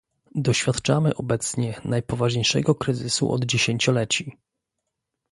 Doświadczamy obecnie najpoważniejszego kryzysu od dziesięcioleci